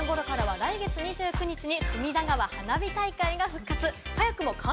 そして９時１５分ごろからは来月２９日に隅田川花火大会が復活。